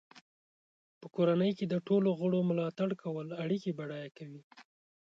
په کورنۍ کې د ټولو غړو ملاتړ کول اړیکې بډای کوي.